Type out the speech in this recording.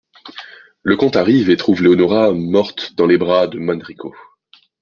Le comte arrive et trouve Leonora morte dans les bras de Manrico.